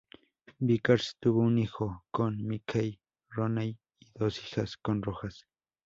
Vickers tuvo un hijo con Mickey Rooney y dos hijas con Rojas.